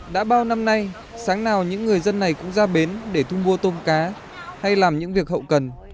đã bao năm nay sáng nào những người dân này cũng ra bến để thu mua tôm cá hay làm những việc hậu cần